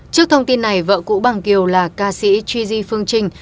trước thông tin này vợ cũ bằng kiều là ca sĩ tri di phương trinh